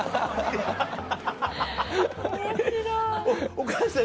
お母さん